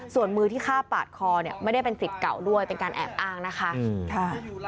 ส่วนมือที่ฆ่าปาดคอเนี่ยไม่ได้เป็นสิทธิ์เก่าด้วยเป็นการแอบอ้างนะคะ